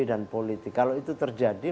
dan politik kalau itu terjadi